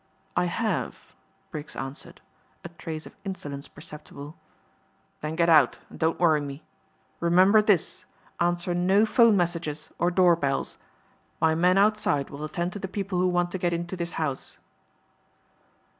"I have," Briggs answered, a trace of insolence perceptible. "Then get out and don't worry me. Remember this, answer no phone messages or door bells. My men outside will attend to the people who want to get into this house."